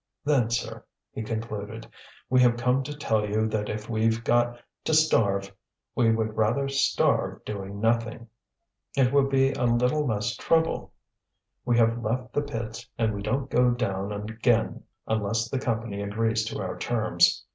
"Then, sir," he concluded, "we have come to tell you that if we've got to starve we would rather starve doing nothing. It will be a little less trouble. We have left the pits and we don't go down again unless the Company agrees to our terms.